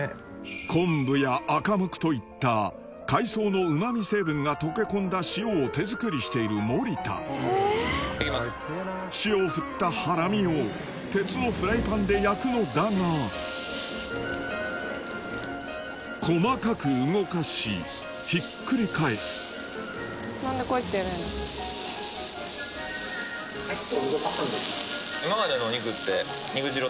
昆布やアカモクといった海藻の旨味成分が溶け込んだ塩を手作りしている森田塩を振ったハラミを鉄のフライパンで焼くのだが細かく動かしひっくり返す今までのお肉って。